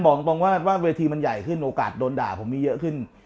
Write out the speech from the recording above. บอกตรงว่าเวทีมันใหญ่ขึ้นโอกาสโดนด่าผมมีเยอะขึ้น